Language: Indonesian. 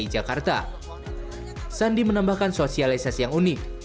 sandi menambahkan sosialisasi yang berbeda dan juga menambahkan sosialisasi yang berbeda